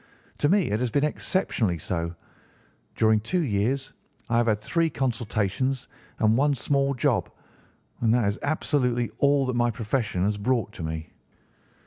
To me it has been exceptionally so. During two years I have had three consultations and one small job, and that is absolutely all that my profession has brought me.